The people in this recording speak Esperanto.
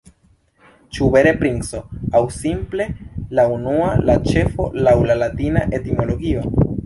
Ĉu vere princo, aŭ simple la unua, la ĉefo, laŭ la latina etimologio?